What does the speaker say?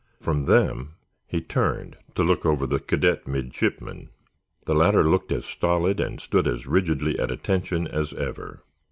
From them he turned to look over the cadet midshipmen. The latter looked as stolid, and stood as rigidly at attention, as ever.